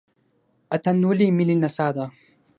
اتن ولې ملي نڅا ده؟